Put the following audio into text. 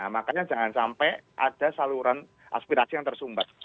makanya jangan sampai ada saluran aspirasi yang tersumbat